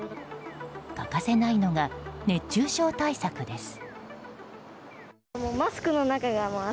欠かせないのが熱中症対策です。